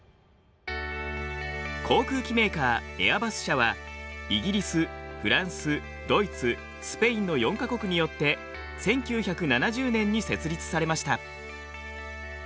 航空機メーカーエアバス社はイギリスフランスドイツスペインの４か国によって１９７０年に設立されました。